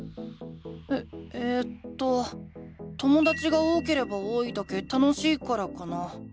ええとともだちが多ければ多いだけ楽しいからかな。